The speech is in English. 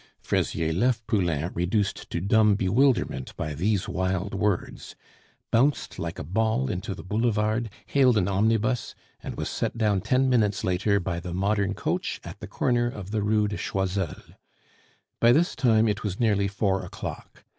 Fraisier left Poulain reduced to dumb bewilderment by these wild words; bounced like a ball into the boulevard, hailed an omnibus, and was set down ten minutes later by the modern coach at the corner of the Rue de Choiseul. By this time it was nearly four o'clock.